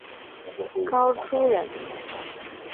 高翥人。